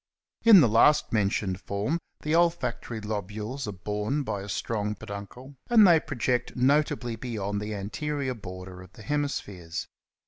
In the last mentioned form the olfactory lobules are borne by a strong peduncle and they project notably beyond the an terior border of the hemispheres.